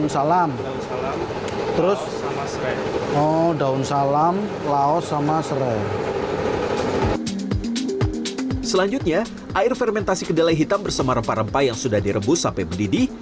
selanjutnya air fermentasi kedelai hitam bersama rempah rempah yang sudah direbus sampai mendidih